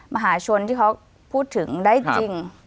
มหาชนที่เขาพูดถึงได้จริง